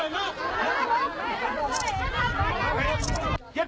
สวัสดีครับ